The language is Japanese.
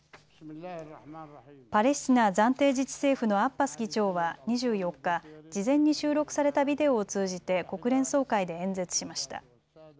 パレスチナ暫定自治政府のアッバス議長は２４日、事前に収録されたビデオを通じて国連総会で演説しました。